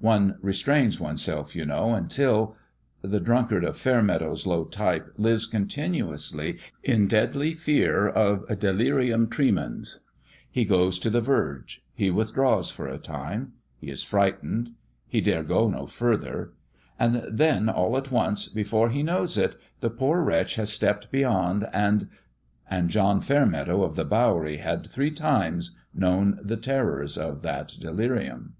One restrains oneself, you know, until ... The drunkard of Fair meadow's low type lives continuously in deadly fear of delirium tremens. He goes to the verge. He withdraws for a time. He is frightened ; he dare go no further. And then, all at once, before he knows it, the poor wretch has stepped beyond, and ... And John Fairmeadow of the Bowery had three times known the terrors of that delirium.